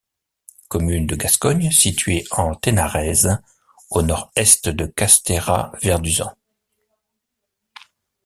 Commune de Gascogne située en Ténarèze, au nord-est de Castéra-Verduzan.